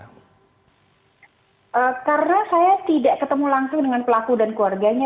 karena saya tidak ketemu langsung dengan pelaku dan keluarganya